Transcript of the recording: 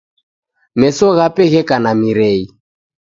Meso ghape gheka na mirei.